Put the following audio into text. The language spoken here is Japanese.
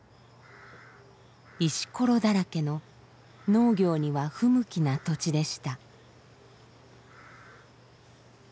石ころだらけの農業には不向きな土地でした。